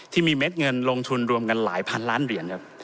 เม็ดเงินลงทุนรวมกันหลายพันล้านเหรียญครับ